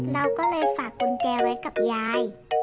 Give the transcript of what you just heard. เราก็เลยฝากกุญแจไว้กับยาย